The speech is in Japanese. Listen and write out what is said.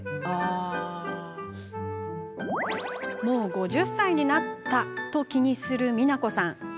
もう５０歳になったと気にするみなこさん。